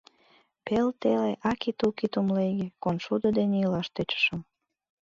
Пел теле аки-туки тумлеге, коншудо дене илаш тӧчышым.